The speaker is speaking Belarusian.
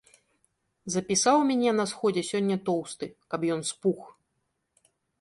Запісаў мяне на сходзе сёння тоўсты, каб ён спух.